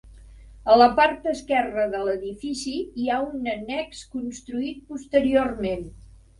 A la part esquerra de l'edifici hi ha un annex construït posteriorment.